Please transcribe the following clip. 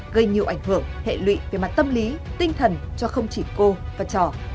gây nhiều ảnh hưởng hệ lụy về mặt tâm lý tinh thần cho không chỉ cô và trò